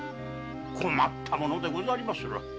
困ったものでござりまする。